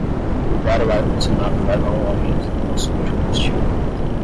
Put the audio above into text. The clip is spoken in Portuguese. Ligar o ar condicionado leva a um aumento do consumo de combustível.